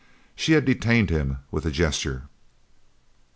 She had detained him with a gesture.